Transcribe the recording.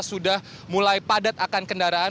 sudah mulai padat akan kendaraan